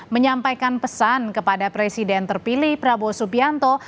menyampaikan pesan kepada presiden terpilih prabowo subianto